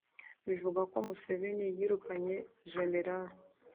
Bivugwa ko Museveni yirukanye Gen